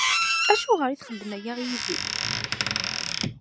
Acuɣer i texdem aya i Yidir?